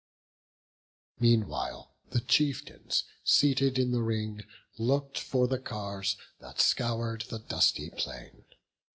Meanwhile the chieftains, seated in the ring, Look'd for the cars, that scour'd the dusty plain.